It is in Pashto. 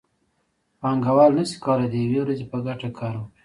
پانګوال نشي کولی د یوې ورځې په ګټه کار وکړي